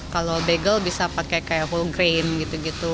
kalau bagel bisa pakai kayak full grain gitu gitu